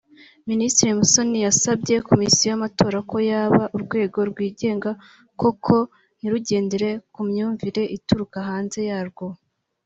Minisitiri Musoni yasabye Komisiyo y’amatora ko yaba urwego rwigenga koko; ntirugendere ku myumvire ituruka hanze yarwo